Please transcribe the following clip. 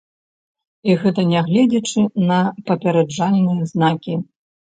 І гэта нягледзячы на папераджальныя знакі.